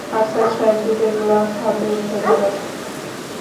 আফসার সাহেব দুধের গ্লাস হাতে উঠে দাঁড়ালেন।